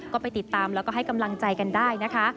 ก็ไปติดตามแล้วก็ให้กำลังใจกันได้นะคะ